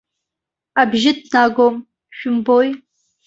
Абжьы ҭнагом, шәымбои!